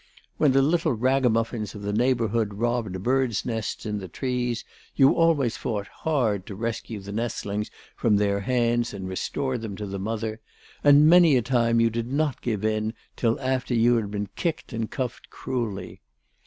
When the little ragamuffins of the neighbourhood robbed birds' nests in the trees, you always fought hard to rescue the nestlings from their hands and restore them to the mother, and many a time you did not give in till after you had been kicked and cuffed cruelly.